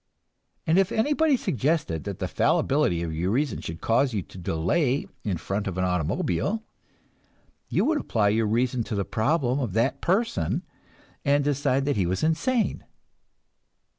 And if anybody suggested that the fallibility of your reason should cause you to delay in front of an automobile, you would apply your reason to the problem of that person and decide that he was insane.